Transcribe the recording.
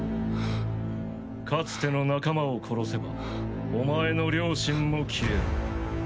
かつての仲間を殺せばお前の良心も消える。